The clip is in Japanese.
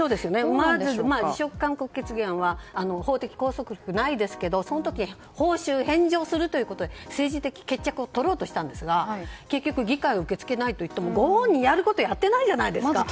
まず、辞職勧告決議案は法的拘束力はないですけどその時、報酬を返上すると言って政治的決着をとろうとしたんですが結局、議会は受け付けないといってご本人はやることをやっていないじゃないですか！